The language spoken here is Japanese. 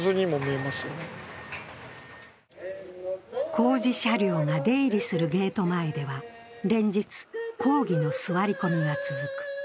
工事車両が出入りするゲート前では連日、抗議の座り込みが続く。